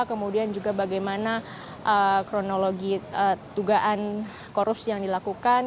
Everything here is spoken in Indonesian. kemudian juga bagaimana kronologi dugaan korupsi yang dilakukan